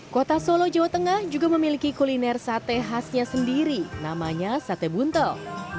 kota solo jawa tengah juga memiliki kuliner sate khasnya sendiri namanya sate buntel